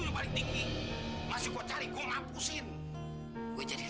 ini memang vivre jaya swasti